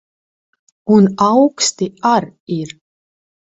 Un auksti ar ir.